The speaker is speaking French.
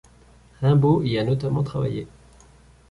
Rimbaud y a notamment travaillé.